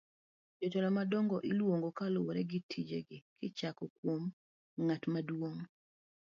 jotelo madongo iluongo kaluwore gi tije gi kichako kuom ng'at maduong'